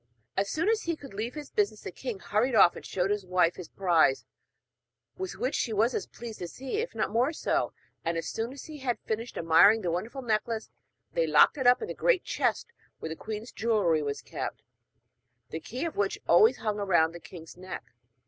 As soon as he could leave his business the king hurried off and showed his wife his prize, with which she was as pleased as he, if not more so; and, as soon as they had finished admiring the wonderful necklace, they locked it up in the great chest where the queen's jewellery was kept, the key of which hung always round the king's neck.